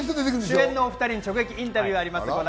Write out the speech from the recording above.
主演のお２人に直撃インタビューあります。